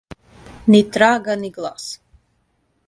Ни трага, ни гласа.